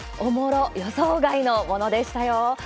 予想外のものでしたよ。